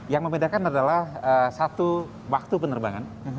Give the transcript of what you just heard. yang membedakan adalah satu waktu penerbangan